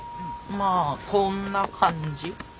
まあこんな感じ。